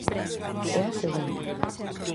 É a segunda.